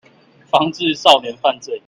防治少年犯罪